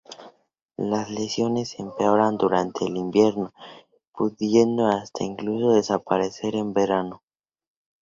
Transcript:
Las lesiones empeoran durante el invierno, pudiendo hasta incluso desaparecer en verano.